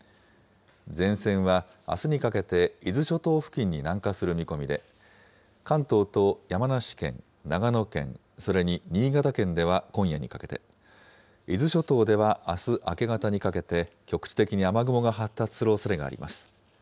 前線はあすにかけて伊豆諸島付近に南下する見込みで、関東と山梨県、長野県、それに新潟県では今夜にかけて、伊豆諸島ではあす明け方にかけて局地的に雨雲が発達するおそれがあります。